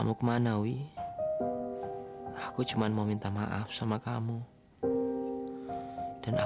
sampai jumpa di video selanjutnya